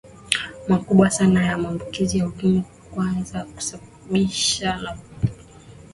makubwa sana na maambukizo ya ukimwi Kwanza kabisa ni kutokana